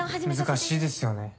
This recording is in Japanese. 難しいですよね。